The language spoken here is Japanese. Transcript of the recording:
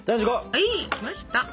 はいっきました。